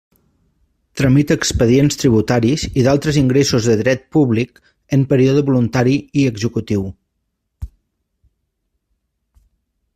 Tramita expedients tributaris i d'altres ingressos de dret públic en període voluntari i executiu.